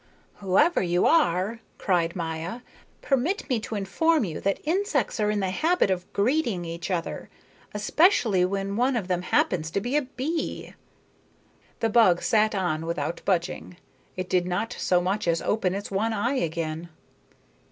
"Whoever you are," cried Maya, "permit me to inform you that insects are in the habit of greeting each other, especially when one of them happens to be a bee." The bug sat on without budging. It did not so much as open its one eye again.